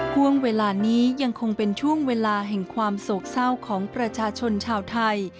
ห่วงเวลานี้ยังคงเป็นช่วงเวลาแห่งความโศกเศร้าของประชาชนชาวไทย